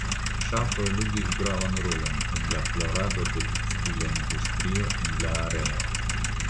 Ŝafoj ludis gravan rolon en la florado de tekstila industrio en la areo.